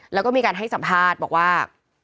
แล้วก็มีการให้สัมภาษณ์บอกว่า